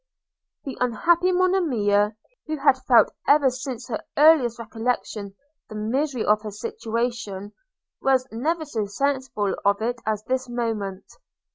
The unhappy Monimia, who had felt ever since her earliest recollection the misery of her situation, was never so sensible of it as at this moment.